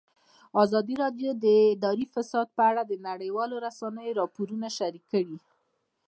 ازادي راډیو د اداري فساد په اړه د نړیوالو رسنیو راپورونه شریک کړي.